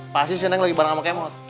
pasti senang lagi bareng sama kemot